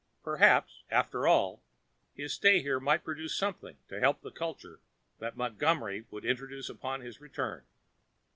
Perhaps, after all, his stay here might produce something to help the culture that Montgomery would introduce upon his return.